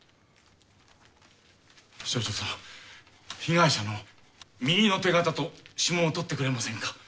署長さん被害者の右の手形と指紋をとってくれませんか。